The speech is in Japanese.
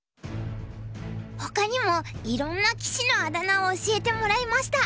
ほかにもいろんな棋士のあだ名を教えてもらいました。